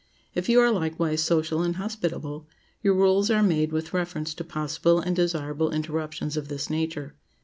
If you are likewise social and hospitable, your rules are made with reference to possible and desirable interruptions of this nature.